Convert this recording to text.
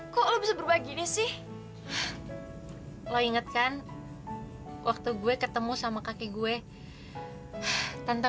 kok lo bisa berbagi ini sih lo inget kan waktu gue ketemu sama kaki gue tante